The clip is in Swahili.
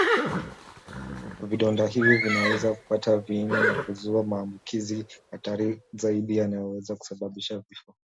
vidonda hivi vinaweza kupata viini na kuzua maambukizi hatari zaidi yanayoweza kusababisha kifo